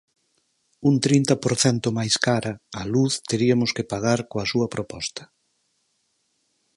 Un trinta por cento máis cara a luz teriamos que pagar coa súa proposta.